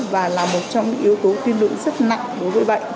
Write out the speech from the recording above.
và là một trong những yếu tố tiên lượng rất nặng đối với bệnh